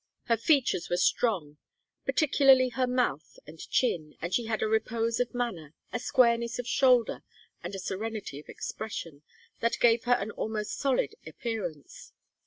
Her features were strong, particularly her mouth and chin, and she had a repose of manner, a squareness of shoulder, and a serenity of expression that gave her an almost solid appearance.